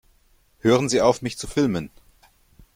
Hören Sie auf, mich zu filmen!